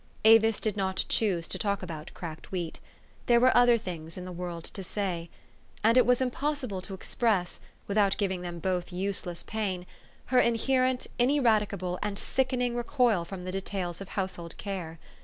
Avis did not choose to talk about cracked wheat. There were other things in the world to say. And it was impossible to express, without giving them 284 TpE STORY OF AVIS. both useless pain, her inherent, ineradicable, and sickening recoil from the details of household care.